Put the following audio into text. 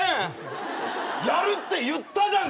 やるって言ったじゃん